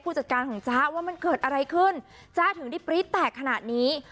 ผู้จัดการของจ๊ะว่ามันเกิดอะไรขึ้นจ้าถึงที่ปลิชแตกขนาดนี้